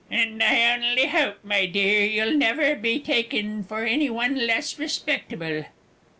And I only hope, my dear, you'll never be taken for any one less respectable.